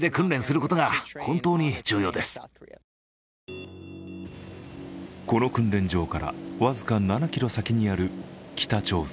この訓練場から僅か７ｋｍ先にある北朝鮮。